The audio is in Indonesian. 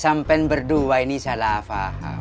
sampian berdua ini salah faham